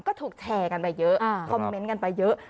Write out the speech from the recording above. ก็ถูกแชร์กันไปเยอะคอมเมนต์กันไปเยอะ